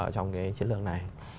trong cái chiến lược này